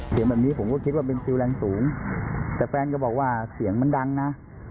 เสียงแบบนี้ผมก็คิดว่าเป็นฟิลแรงสูงแต่แฟนก็บอกว่าเสียงมันดังนะ